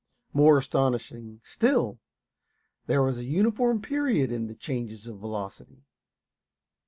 More astonishing still, there was a uniform period in the changes of velocity.